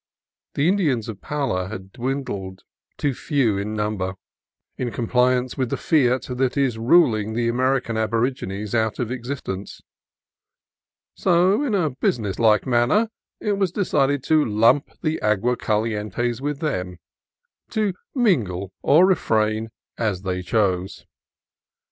The Indians of Pala had dwindled to few in number, in compliance with the fiat that is ruling the American aborigines out of existence ; so in a businesslike manner it was decided to lump the Agua Calientes with them, to mingle or refrain as they chose.